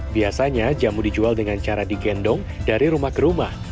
biasanya jamu dijual dengan cara digendong dari rumah ke rumah